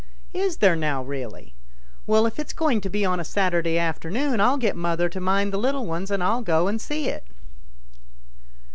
" Is there now, really ? Well, if it's going to be on a Saturday afternoon, I'll get mother to mind the little ones and I'll go and see it."